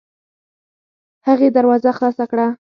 هغې دروازه خلاصه کړه.